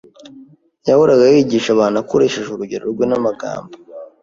Yahoraga yigisha abantu akoresheje urugero rwe n’amagambo